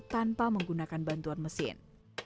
tanpa menggunakan bantuan mesin